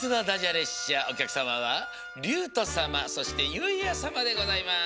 列車おきゃくさまはりゅうとさまそしてゆいあさまでございます！